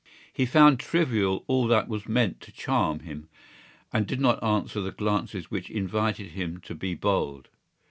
He found trivial all that was meant to charm him and did not answer the glances which invited him to be bold.